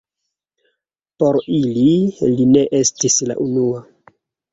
Por ili, li ne estis la unua.